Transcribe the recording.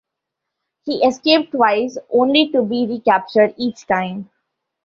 He escaped twice, only to be recaptured each time.